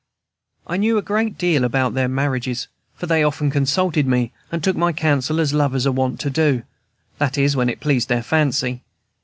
I knew a great deal about their marriages, for they often consulted me, and took my counsel as lovers are wont to do, that is, when it pleased their fancy.